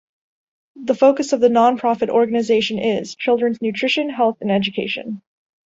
The focus of the nonprofit organization is: children's nutrition, health and education.